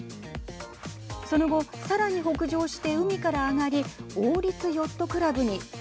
その後さらに北上して海から上がり王立ヨットクラブに。